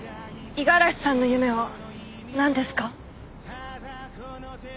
五十嵐さんの夢は何ですか？